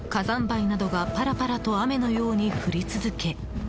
灰などがパラパラと雨のように降り続け